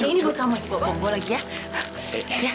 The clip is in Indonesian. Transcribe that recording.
ini gue bawa lagi ya